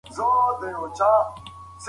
موږ باید د ناروغانو لیدو ته لاړ شو.